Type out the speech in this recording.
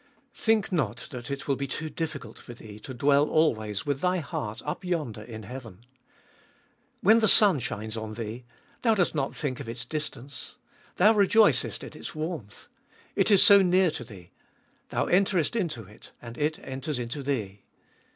1. Think not that It will be too difficult for thee to dwell always with thy heart up yonder in heaven. When the sun shines on thee, thou dost not think of its distance ; thou rejoicest in its warmth. It is so near to thee ; thou enterest into it, and it enters into thee.